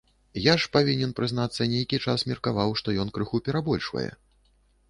Я ж, павінен прызнацца, нейкі час меркаваў, што ён крыху перабольшвае.